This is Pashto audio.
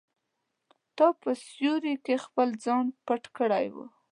تا په سیوري کې خپل ځان پټ کړی دی.